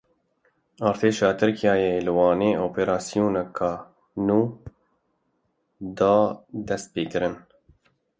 Artêşa Tirkiyeyê li Wanê operasyoneke nû da dest pêkirin.